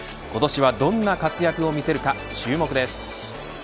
今年はどんな活躍を見せるか注目です。